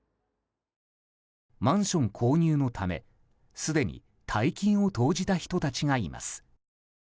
マンション購入のため、すでに大金を投じた人たちがいます。